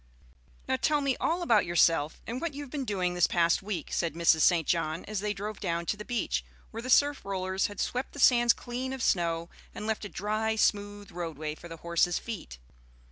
"Now tell me all about yourself, and what you have been doing this past week," said Mrs. St. John, as they drove down to the beach, where the surf rollers had swept the sands clean of snow and left a dry, smooth roadway for the horses' feet.